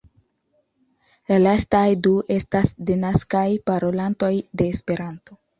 La lastaj du estas denaskaj parolantoj de Esperanto.